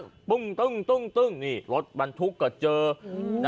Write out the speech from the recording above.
มาแล้วปึ้งตึ้งตึ้งตึ้งนี่รถมันทุกข์เกิดเจอโอ้โห